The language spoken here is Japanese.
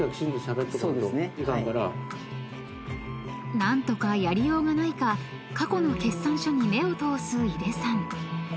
［何とかやりようがないか過去の決算書に目を通す井手さん］